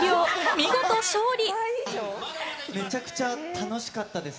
見事勝利。